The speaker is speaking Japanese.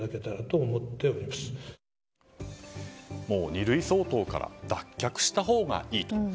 二類相当から脱却したほうがいいと。